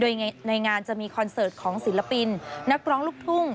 โดยในงานจะมีคอนเสิร์ตของศิลปินนักร้องลูกทุ่ง